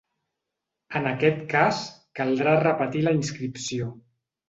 En aquest cas, caldrà repetir la inscripció.